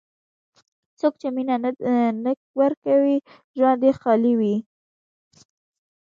څوک چې مینه نه ورکوي، ژوند یې خالي وي.